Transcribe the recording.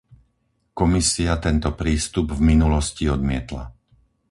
Komisia tento prístup v minulosti odmietla.